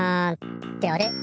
ってあれ？